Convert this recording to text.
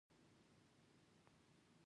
هغه ورپسې زړه نا زړه روانه شوه.